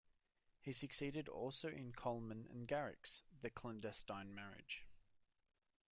He succeeded also in Colman and Garrick's "The Clandestine Marriage".